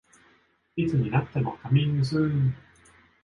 いつになってもカミングスーン